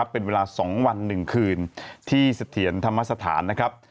เป็นเวลา๒วัน๑คืนที่เสถียรธรรมสถานนะครับ